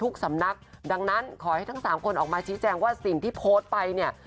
สำนักดังนั้นขอให้ทั้งสามคนออกมาชี้แจงว่าสิ่งที่โพสต์ไปเนี่ย